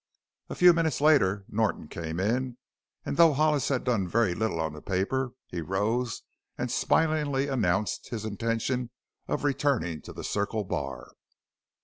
A few minutes later Norton came in, and though Hollis had done very little on the paper he rose and smilingly announced his intention of returning to the Circle Bar.